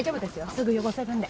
すぐ汚せるんで。